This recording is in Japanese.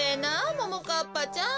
ももかっぱちゃん。